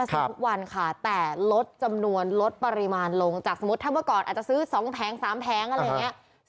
ทุกวันค่ะแต่ลดจำนวนลดปริมาณลงจากสมมุติถ้าเมื่อก่อนอาจจะซื้อ๒แผง๓แผงอะไรอย่างนี้